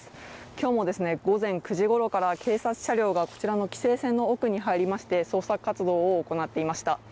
今日も午前９時ごろから、警察車両が、こちらの規制線の奥に入りまして捜索活動を行っていました。